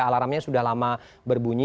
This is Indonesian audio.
alarmnya sudah lama berbunyi